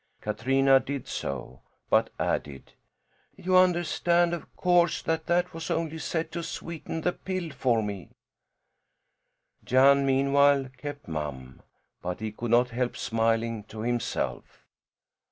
Katrina did so, but added: "You understand of course that that was only said to sweeten the pill for me." Jan meanwhile kept mum. But he could not help smiling to himself.